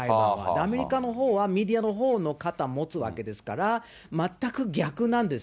アメリカのほうは、メディアのほうの肩を持つわけですから、全く逆なんです。